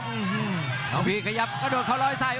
อื้อฮือน้องพีขยับกระโดดเขาลอยใส่